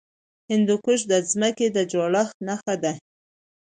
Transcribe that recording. هندوکش د ځمکې د جوړښت نښه ده.